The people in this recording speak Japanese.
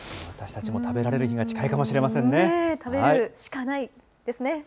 私たちも食べられる日が近いかもしれませんね。